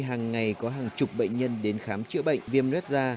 hàng ngày có hàng chục bệnh nhân đến khám chữa bệnh viêm lết da